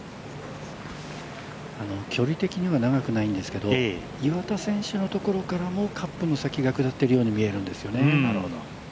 距離的には長くないんですけど、岩田選手のところからもカップの先が下っているように見えるんですよね。